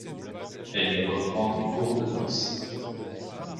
Elle y reprend des cours de danse.